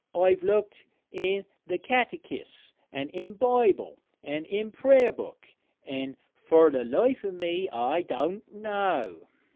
I've looked i' the Catechis', an' i' Bible, an' i' Prayer book, an' fur the life o' me, I doän't know.'